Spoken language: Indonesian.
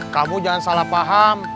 kamu jangan salah paham